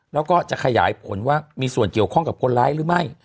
แล้วก็จะขยายผลว่ามีส่วนเกี่ยวข้องกับคนร้ายหรือไม่